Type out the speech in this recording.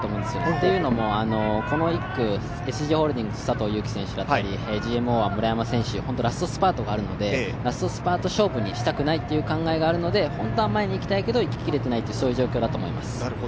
というのもこの１区、ＳＧホールディングスグループの佐藤悠基選手だったりＧＭＯは村山選手、ラストスパートがあるので、ラストスパート勝負にしたくないという考えがあるので本当は前に行きたいけど行ききれていないという状況だと思います。